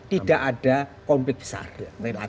tidak ada konflik besar